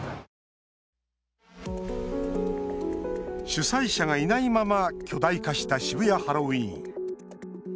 主催者がいないまま巨大化した渋谷ハロウィーン。